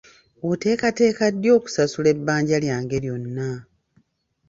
Oteekateeka ddi okusasula ebbanja lyange lyonna?